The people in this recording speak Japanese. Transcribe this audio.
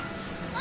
あ。